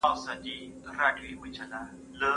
څه ډول تل له ځان او نورو سره ریښتیني واوسو؟